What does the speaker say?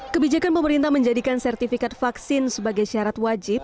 kebijakan pemerintah menjadikan sertifikat vaksin sebagai syarat wajib